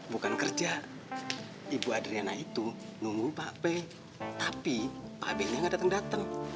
bukan kerja ibu adriana itu nunggu pak be tapi pak be nya gak dateng dateng